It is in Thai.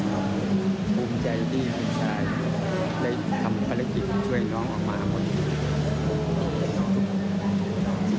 ผมภูมิใจที่ผู้ชายทำปฏิกิจช่วยน้องออกมากมือ